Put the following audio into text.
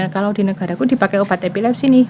kalau di negara aku dipakai obat epilepsi nih